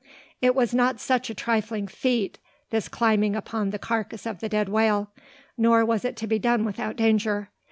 It was not such a trifling feat, this climbing upon the carcass of the dead whale. Nor was it to be done without danger.